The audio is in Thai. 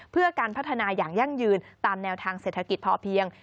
เพื่อการพัฒนาอย่างยั่งยืนตามแนวทางเศรษฐกิจพอเพียง